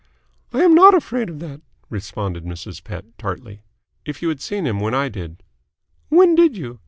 "I am not afraid of that," responded Mrs. Pett tartly. "If you had seen him when I did " "When did you?